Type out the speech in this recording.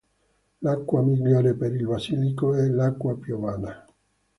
L'acqua migliore per il basilico è l'acqua piovana.